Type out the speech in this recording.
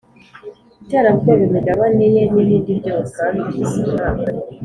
iterabwoba imigabane ye n ibindi byose